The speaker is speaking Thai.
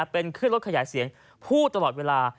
เป็นขึ้นรถขยายเสียงพูดตลอดเวลา